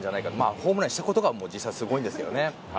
ホームランにしたことが実際、すごいんですけどね。